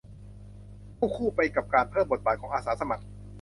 ควบคู่ไปกับการเพิ่มบทบาทของอาสาสมัคร